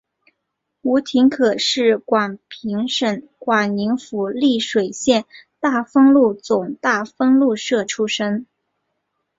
吴廷可是广平省广宁府丽水县大丰禄总大丰禄社出生。